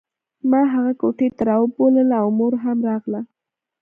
ما هغه کوټې ته راوبلله او مور هم ورغله